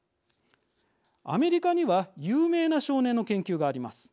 アメリカには有名な少年の研究があります。